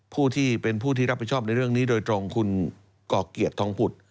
ผู้ที่เป็นผู้ที่รับผิดชอบในเรื่องนี้โดยตรงคุณก่อเกียรติทองผุด